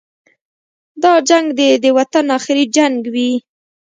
دا جنګ دې د وطن اخري جنګ وي.